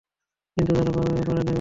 কিন্তু তারা পারে নাই, বাবা।